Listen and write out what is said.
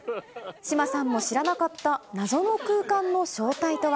志麻さんも知らなかった、謎の空間の正体とは。